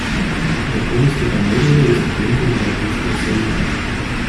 Я полностью поддерживаю выступление Европейского союза.